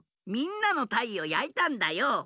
みんなの「たい」をやいたんだよ。